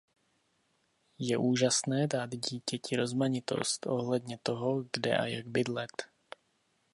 Je úžasné dát dítěti rozmanitost ohledně toho kde a jak bydlet.